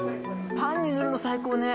パンに塗るの最高ね。